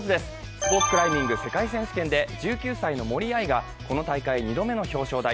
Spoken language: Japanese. スポーツクライミング世界選手権で１９歳の森秋彩がこの大会２度目の表彰台。